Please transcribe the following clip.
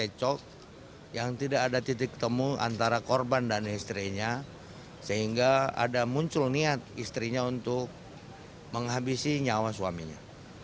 saya cok yang tidak ada titik temu antara korban dan istrinya sehingga ada muncul niat istrinya untuk menghabisi nyawa suaminya